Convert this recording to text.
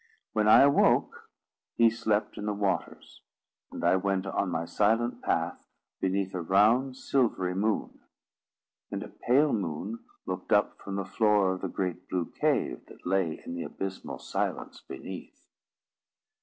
When I awoke, he slept in the waters, and I went on my silent path beneath a round silvery moon. And a pale moon looked up from the floor of the great blue cave that lay in the abysmal silence beneath.